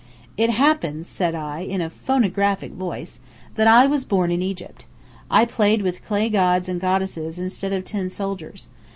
"It happens," said I, in a phonographic voice, "that I was born in Egypt. I played with clay gods and goddesses instead of tin soldiers.